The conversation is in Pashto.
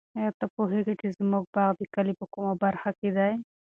آیا ته پوهېږې چې زموږ باغ د کلي په کومه برخه کې دی؟